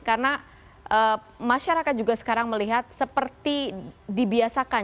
karena masyarakat juga sekarang melihat seperti dibiasakan